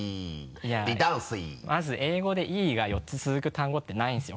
いやまず英語で「Ｅ」が４つ続く単語ってないんですよ